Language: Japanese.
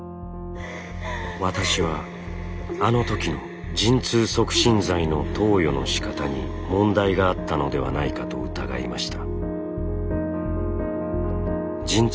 私はあのときの陣痛促進剤の投与のしかたに問題があったのではないかと疑いました。